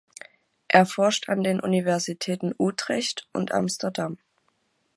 Er forscht an den Universitäten Utrecht und Amsterdam.